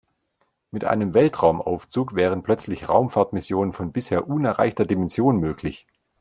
Mit einem Weltraumaufzug wären plötzlich Raumfahrtmissionen von bisher unerreichter Dimension möglich.